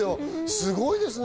すごいですね。